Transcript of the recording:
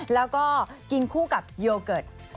แล้วก็กินคู่กับโยเกิร์ต